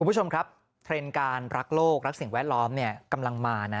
คุณผู้ชมครับเทรนด์การรักโลกรักสิ่งแวดล้อมกำลังมานะ